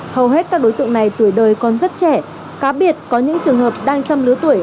hầu hết các đối tượng này tuổi đời còn rất trẻ cá biệt có những trường hợp đang trong lứa tuổi